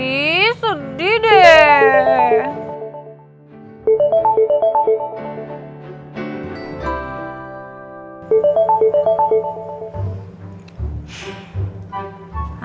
ih sedih deh